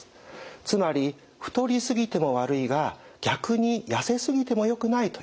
つまり太り過ぎても悪いが逆にやせすぎてもよくないという考え方なんです。